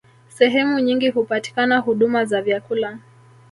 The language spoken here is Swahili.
Sehemu nyingi hupatikana huduma za vyakula